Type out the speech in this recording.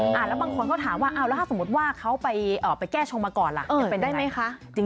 แล้วบางคนเขาถามว่าแล้วถ้าสมมติว่าเขาไปแก้ชงมาก่อนล่ะจะเป็นยังไง